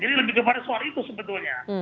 jadi lebih kepada soal itu sebetulnya